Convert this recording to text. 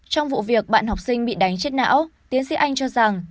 trong vụ việc bạn học sinh bị đánh chết não tiến sĩ anh cho rằng